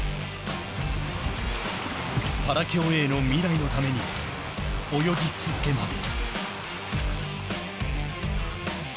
パラ競泳の未来のために泳ぎ続けます。